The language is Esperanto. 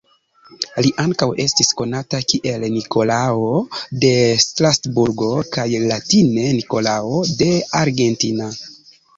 Li ankaŭ estis konata kiel Nikolao de Strasburgo kaj latine Nikolao de Argentina.